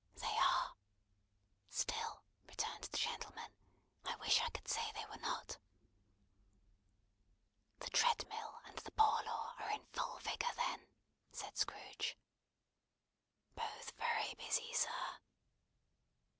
"They are. Still," returned the gentleman, "I wish I could say they were not." "The Treadmill and the Poor Law are in full vigour, then?" said Scrooge. "Both very busy, sir."